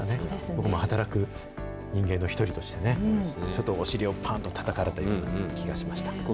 僕も働く人間の１人として、ちょっとお尻をぱんとたたかれたような気がしました。